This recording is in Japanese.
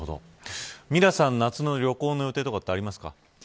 ミラさん、夏の旅行の予定とかありますか。